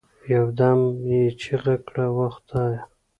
يو دم يې چيغه كړه وه خدايه!